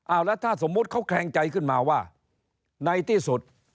แล้วถ้าสมมุติเขาแคลงใจขึ้นมาว่าในที่สุด